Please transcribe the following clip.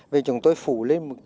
vì chúng tôi phủ lên một cái